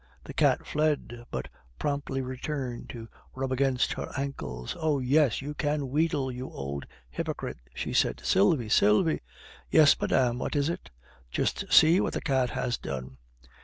The cat fled, but promptly returned to rub against her ankles. "Oh! yes, you can wheedle, you old hypocrite!" she said. "Sylvie! Sylvie!" "Yes, madame; what is it?" "Just see what the cat has done!"